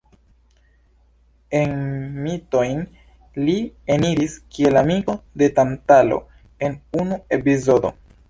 En mitojn li eniris kiel amiko de Tantalo en unu epizodo.